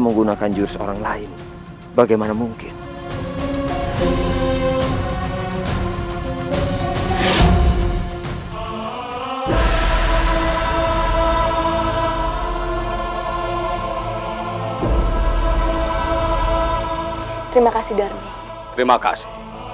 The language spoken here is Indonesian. menggunakan jurus orang lain bagaimana mungkin terima kasih darmi terima kasih